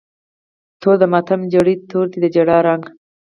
توره د ماتم جړۍ، تور دی د جړا رنګ